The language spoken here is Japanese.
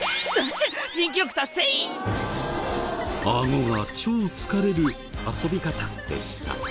アゴが超疲れる遊び方でした。